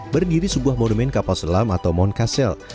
berdiri sebuah monumen kapal selam atau mount kassel